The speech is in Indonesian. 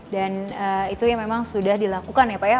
dan itu memang sudah dilakukan ya pak ya